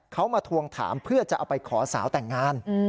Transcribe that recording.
เขามาทวงถามเพื่อจะเอาไปขอสาวแต่งงาน